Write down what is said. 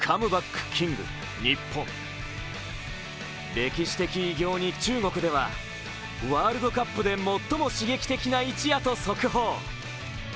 歴史的偉業に中国ではワールドカップで最も刺激的な一夜と速報。